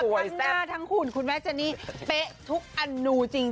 ทั้งหน้าทั้งหุ่นคุณแม่เจนี่เป๊ะทุกอนูจริง